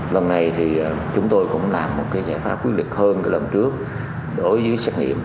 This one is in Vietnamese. hôm nay chúng tôi cũng làm một giải pháp quyết định hơn từ lần trước đối với xét nghiệm